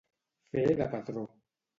Fer de patró.